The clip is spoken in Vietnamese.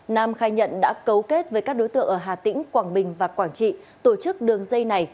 nam khai nhận đã cấu kết với các đối tượng ở hà tĩnh quảng bình và quảng trị tổ chức đường dây này